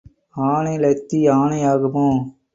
ஆனை லத்தி ஆனை ஆகுமா?